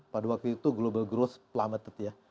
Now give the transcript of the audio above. pada waktu itu global growth plimated ya